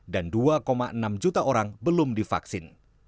dua enam juta orang belum divaksin